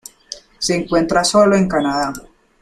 Se encuentra sólo en Canadá.